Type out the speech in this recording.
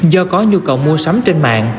do có nhu cầu mua sắm trên mạng